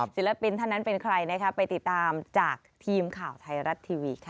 ศิลปินท่านนั้นเป็นใครนะคะไปติดตามจากทีมข่าวไทยรัฐทีวีค่ะ